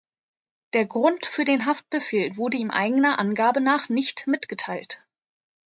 Der Grund für den Haftbefehl wurde ihm eigener Angabe nach nicht mitgeteilt.